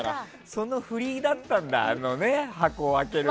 その振りだったんだあの箱を開けるの。